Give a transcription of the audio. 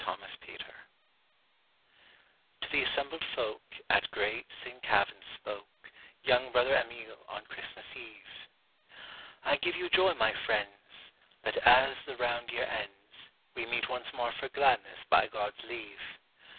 On Love TO the assembled folkAt great St. Kavin's spokeYoung Brother Amiel on Christmas Eve;I give you joy, my friends, That as the round year ends, We meet once more for gladness by God's leave.